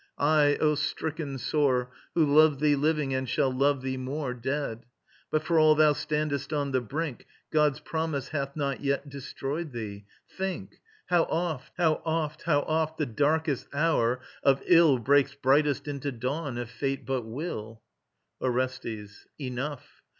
I, O stricken sore, Who loved thee living and shall love thee more Dead. But for all thou standest on the brink, God's promise hath not yet destroyed thee. Think! How oft, how oft the darkest hour of ill Breaks brightest into dawn, if Fate but will! ORESTES. Enough.